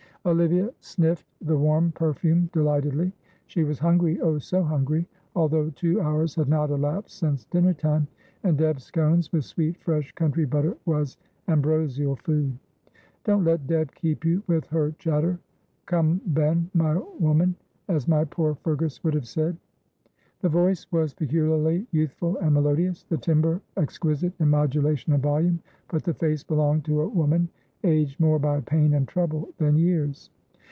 Olivia sniffed the warm perfume delightedly. She was hungry, oh, so hungry! although two hours had not elapsed since dinner time, and Deb's scones, with sweet, fresh country butter, was ambrosial food. "Don't let Deb keep you with her chatter, come ben, my woman, as my poor Fergus would have said." The voice was peculiarly youthful and melodious, the timbre exquisite in modulation and volume, but the face belonged to a woman aged more by pain and trouble than years.